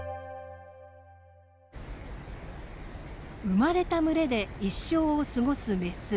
生まれた群れで一生を過ごすメス。